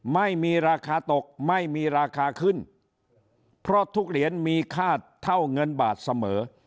ไม่มีราคาตกไม่มีราคาขึ้นเพราะทุกเหรียญมีค่าเท่าเงินบาทเสมอ